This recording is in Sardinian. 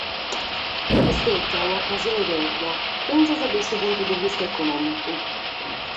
Est istada un’ocasione pèrdida, fintzas dae su puntu de vista econòmicu.